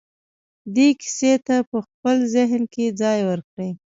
دې کيسې ته په خپل ذهن کې ځای ورکړئ.